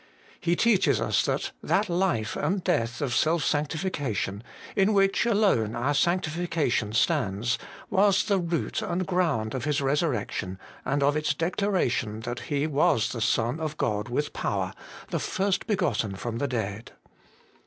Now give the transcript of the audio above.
He teaches us that that life and death of self sanctifi cation, in which alone our sanctification stands, was the root and ground of His resurrection, and of its declaration that He was the Son of God with power, the first begotten from the dead.